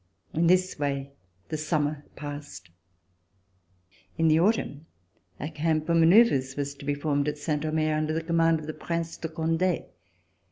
In this way the summer passed. In the autumn a camp for manoeuvres was to be formed at Saint Omer under the command of the Prince de Conde.